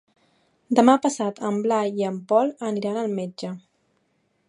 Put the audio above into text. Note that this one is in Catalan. Demà passat en Blai i en Pol aniran al metge.